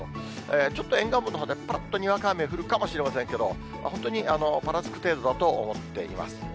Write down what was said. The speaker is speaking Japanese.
ちょっと沿岸部のほうでぱらっと、にわか雨降るかもしれませんけど、本当にぱらつく程度だと思っています。